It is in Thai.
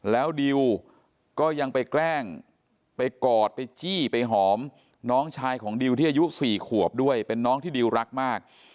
แล้วดิวก็ยังไปแกล้งไปกอดไปจี้ไปหอมน้องชายของดิวที่อายุ๔ขวบด้วยเป็นน้องที่ดิวรักมาก